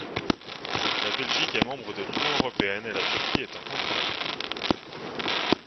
La Belgique est membre de l'Union européenne et la Turquie est un candidat.